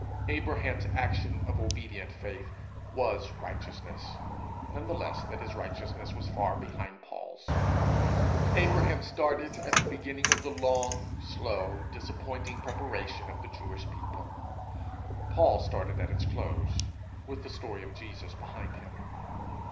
Abraham's action of obedient faith was righteousness none the less that his righteousness was far behind Paul's. Abraham started at the beginning of the long, slow, disappointing preparation of the Jewish people; Paul started at its close, with the story of Jesus behind him.